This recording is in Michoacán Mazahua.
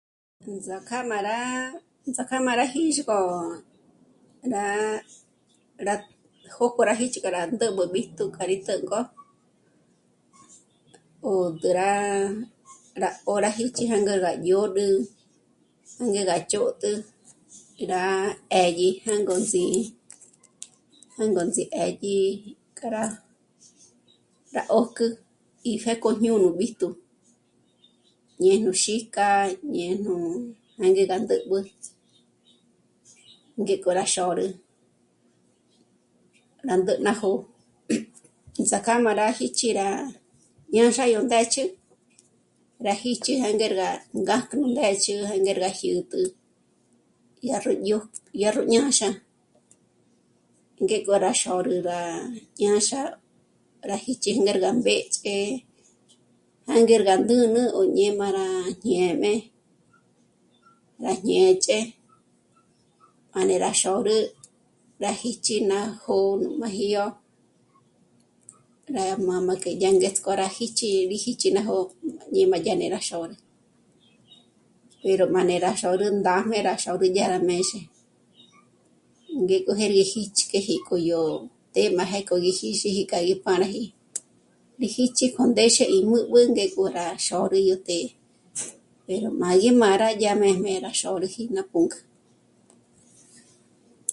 Ts'ak'á má rá... ts'ak'á má rá jîxgo rá... rá jókò rá jích'i rá ndä̀b'ä ímb'íjtu k'a rí të̌nk'o ó drá... ó rá jích'i jânger gá dyód'ü ngégá ndzhôt'ü, rá 'ë́dyi jângots'í, jângots'í 'ë́dyi k'a rá... rá ö̀jk'ü í pjéko jñô'o nú b'íjtu ñe nú xîk'a, ñé nú mândé gá ndä́b'ü ngék'o rá xôrü rá ndé ná jó'o. Ts'ák'á mé rá jích'i rá ñânxa yó ndë́ch'i rá jích'i jânger gá kájk'u ndéxi jângerga jyä̀t'ä, dyá ró jñoj, dyá ró ñânxa, ngéko rá xôrü rá ñânxa rá jích'i ngérgá mbé'ch'e jângerga ndǚnü ñé má rá ñê'me, rá ñê'ch'e manera xôrü rá jích'i ná jó'o má jídyo rá mā́jmā que ngéts'k'o rá jích'i, rí jích'i ná jó'o ñé' má ñârí rá xôrü pero má né'era xôrü yó ndá yá má ndéra xôrü gá má méxe ngéko jé rí jích'k'eji k'óyò të́'ë má jé'e k'o mí jânda rá texi jí k'a yó páraji, rí jích'i jondéxe ímbǘb'ü ngéjo rá xôrü yó të́'ë pero má ya rí má'a dyá méjme rá xôrüji ná pǔnk'ü